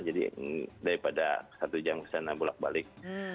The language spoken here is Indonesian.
jadi daripada satu jam kesana bulat balik